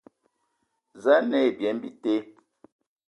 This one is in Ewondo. Za a nǝ ai byem bite,